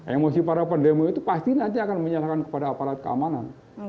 emosi para pendemo itu pasti nanti akan menyerahkan kepada aparat keamanan